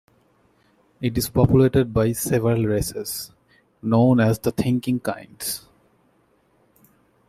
It is populated by several races, known as the "Thinking Kinds".